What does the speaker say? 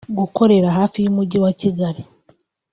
gukorera hafi y’umujyi wa Kigali